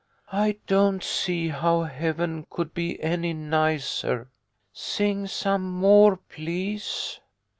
I don't see how heaven could be any nicer. Sing some more, please."